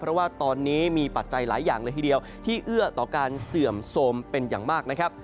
เพราะว่าตอนนี้มีปัจจัยหลายอย่างเลยทีเดียวที่เอื้อต่อการเสื่อมโทรมเป็นอย่างมากนะครับ